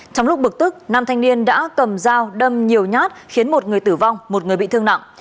trong lúc bực tức nam thanh niên đã cầm dao đâm nhiều nhát khiến một người tử vong một người bị thương nặng